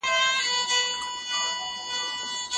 د افرادو د اجبارۍ والی څرګندونې څرنګه پرتله کیږي؟